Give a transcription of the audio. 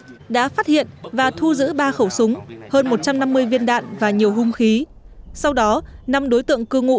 tổng cấp nhà b một mươi ba đã phát hiện và thu giữ ba khẩu súng hơn một trăm năm mươi viên đạn và nhiều hung khí sau đó năm đối tượng cư ngụ